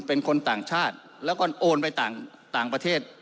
เป็นคนต่างชาติแล้วก็โอนไปต่างประเทศ